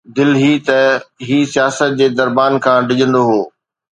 دل هي ته هي سياست جي دربان کان ڊڄندو هو